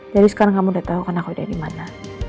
jadi sekarang kamu udah tau kan aku udah dimana